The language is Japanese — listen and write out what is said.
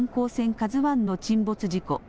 ＫＡＺＵＩの沈没事故。